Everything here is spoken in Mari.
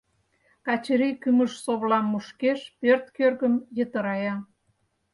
Качырий кӱмыж-совлам мушкеш, пӧрт кӧргым йытырая.